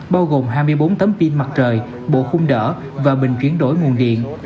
bao gồm hai mươi bốn tấm pin mặt trời bộ khung đỡ và bình chuyển đổi nguồn điện